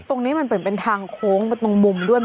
ตรงนี้เปลี่ยนเป็นทางโขลงเป็นตรงมุมด้วย